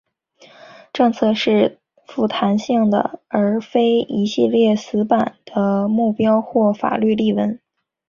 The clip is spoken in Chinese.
政策是富弹性的而非一系列死板的目标或法律例文。